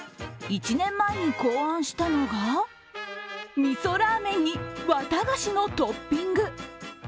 １年前に考案したのがみそラーメンにわたがしのトッピング。